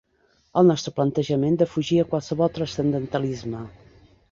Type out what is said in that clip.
El nostre plantejament defugia qualsevol transcendentalisme.